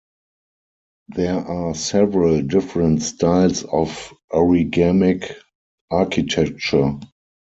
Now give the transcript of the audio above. There are several different styles of origamic architecture.